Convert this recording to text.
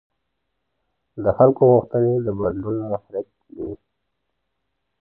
د خلکو غوښتنې د بدلون محرک دي